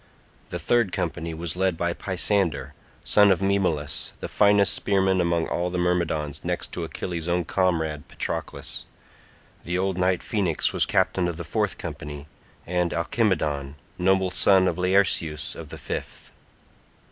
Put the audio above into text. The third company was led by Pisander son of Maemalus, the finest spearman among all the Myrmidons next to Achilles' own comrade Patroclus. The old knight Phoenix was captain of the fourth company, and Alcimedon, noble son of Laerceus of the fifth.